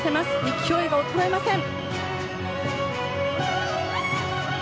勢いも衰えません！